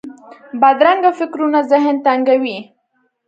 بدرنګه فکرونه ذهن تنګوي